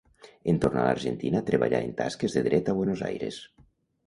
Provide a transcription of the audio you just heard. En tornar a l'Argentina treballà en tasques de Dret a Buenos Aires.